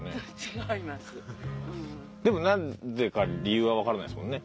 でもなんでか理由はわからないんですもんね？